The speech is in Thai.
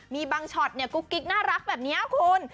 มีบางช็อตกุ๊กกิ๊กน่ารักแบบนี้คุณ